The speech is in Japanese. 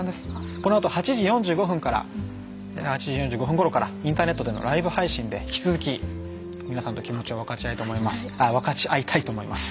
このあと８時４５分ごろからインターネットのライブ配信で皆さんと気持ちを分かち合いたいと思います。